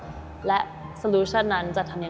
ตอนนี้เราแค่รออีกฝั่งหนึ่งให้ชัดเจนว่า